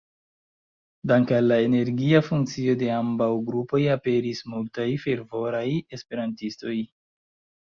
Danke al la energia funkcio de ambaŭ grupoj aperis multaj fervoraj esperantistoj.